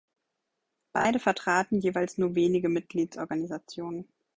Beide vertraten jeweils nur wenige Mitgliedsorganisationen.